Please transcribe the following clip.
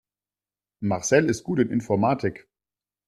Marcel ist gut in Informatik.